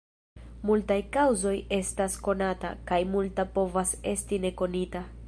Multaj kaŭzoj estas konata, kaj multa povas esti ne konita.